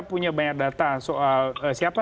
punya banyak data soal siapa